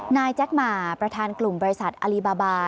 แจ็คหมาประธานกลุ่มบริษัทอลิบาบา